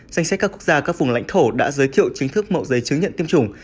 danh sách các quốc gia các vùng lãnh thổ đã giới thiệu chính thức mẫu giấy chứng nhận tiêm chủng